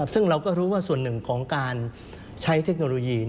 ซึ่งเราก็รู้ว่าส่วนหนึ่งของการใช้เทคโนโลยี